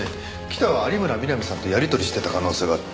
北は有村みなみさんとやり取りしてた可能性がある。